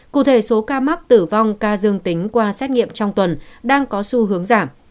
cụ thể số ca mắc tử vong ca dương tính qua xét nghiệm trong tuần đang có xu hướng giảm